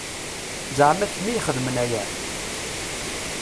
Zeɛma d kemm i ixedmen aya?